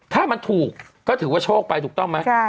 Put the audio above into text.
ถ้ามันถูกก็ถือว่าโชคไปถูกต้องไหม